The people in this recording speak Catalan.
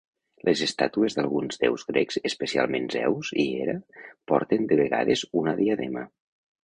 Les estàtues d'alguns déus grecs especialment Zeus i Hera porten de vegades una diadema.